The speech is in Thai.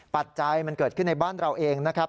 ปัจจัยมันเกิดขึ้นในบ้านเราเองนะครับ